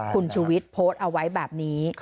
คุณชูวิทย์โพสต์เอาไว้แบบนี้